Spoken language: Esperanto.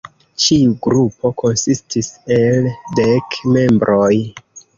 Ĉiu grupo konsistis el dek membroj.